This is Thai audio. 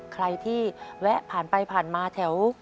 ใครที่แวะผ่านไปผ่านมาแถว